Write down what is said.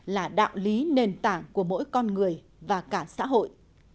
là đạo lý nền tảng của mỗi con người và cả xã hội